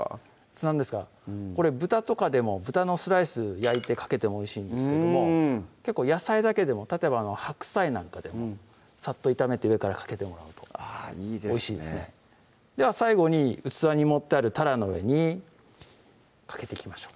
ツナあんですかこれ豚とかでも豚のスライス焼いてかけてもおいしいんですけども結構野菜だけでも例えば白菜なんかでもさっと炒めて上からかけてもらうといいですねおいしいですねでは最後に器に盛ってあるたらの上にかけていきましょう